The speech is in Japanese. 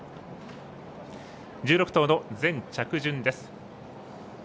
１６頭の全着順です。